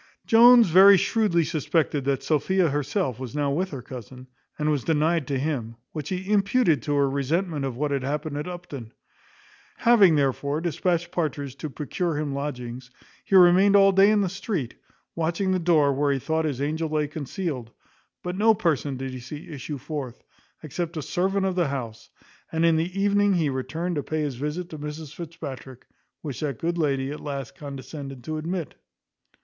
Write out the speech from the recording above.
Jones very shrewdly suspected that Sophia herself was now with her cousin, and was denied to him; which he imputed to her resentment of what had happened at Upton. Having, therefore, dispatched Partridge to procure him lodgings, he remained all day in the street, watching the door where he thought his angel lay concealed; but no person did he see issue forth, except a servant of the house, and in the evening he returned to pay his visit to Mrs Fitzpatrick, which that good lady at last condescended to admit.